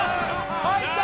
入った！